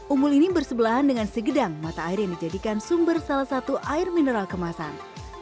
umbul ini bersebelahan dengan segedang mata air yang dijadikan sumber salah satu air mineral kemasan